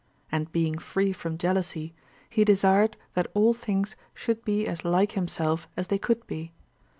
And being free from jealousy, he desired that all things should be as like himself as they could be.